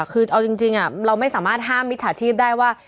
คือเอาจริงเราไม่สามารถห้ามมิจฉาชีพได้ว่า